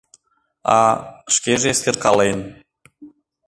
А, шкеже эскеркален